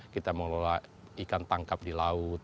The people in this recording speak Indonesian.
kita mengelola ikan tangkap di laut